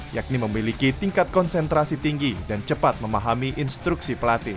yakni memiliki tingkat konsentrasi tinggi dan cepat memahami instruksi pelatih